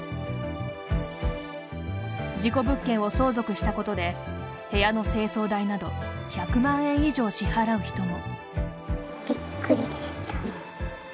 事故物件を相続したことで部屋の清掃代など１００万円以上支払う人も。